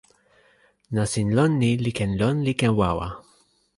nasin lon ni li ken lon li ken wawa.